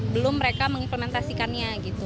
belum mereka mengimplementasikannya gitu